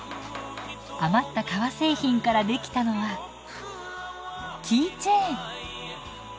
余った革製品から出来たのはキーチェーン。